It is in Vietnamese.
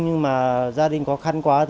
nhưng mà gia đình khó khăn quá